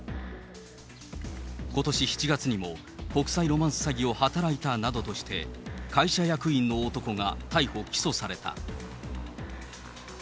ことし７月にも、国際ロマンス詐欺を働いたなどとして、会社役員の男が逮捕・起訴された。